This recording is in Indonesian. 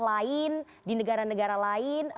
lain di negara negara lain